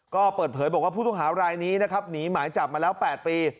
ก็เปิดเผยบอกว่าผู้ต้องหารายนี้นะครับหนีหมายจับมาแล้ว๘ปี